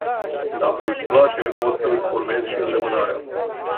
Dacă îți place, poti să îți formezi și îndemânarea.